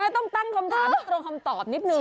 ต้องตั้งคำถามให้ตรงคำตอบนิดนึ